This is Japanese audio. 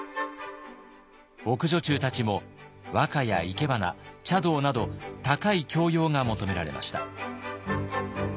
奥女中たちも和歌や生け花茶道など高い教養が求められました。